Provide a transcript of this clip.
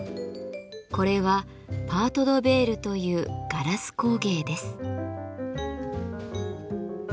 これはパート・ド・ヴェールというガラス工芸です。